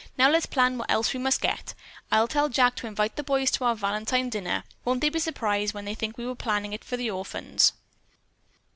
Now let's plan what else we must get. I'll tell Jack to invite the boys to our Valentine dinner. Won't they be surprised when they think we were planning it for the orphans?"